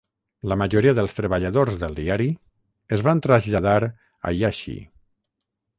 La majoria dels treballadors del diari es van traslladar a Iaşi.